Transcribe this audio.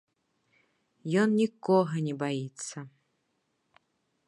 Ён нікога не баіцца.